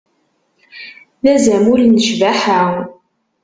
D azamul n ccbaḥa.